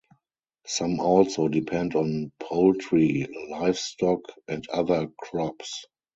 Some also depend on poultry, livestock, and other crops.